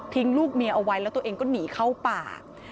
ลูกเมียเอาไว้แล้วตัวเองก็หนีเข้าป่า